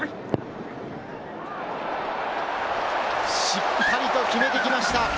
しっかりと決めてきました！